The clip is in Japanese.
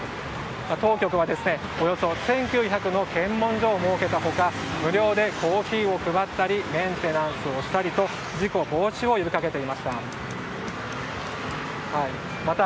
当局は、およそ１９００の検問所を設けた他無料でコーヒーを配ったりメンテナンスをしたりと事故防止を呼びかけていました。